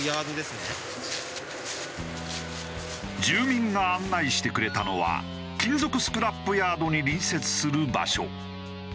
住民が案内してくれたのは金属スクラップヤードに隣接する場所。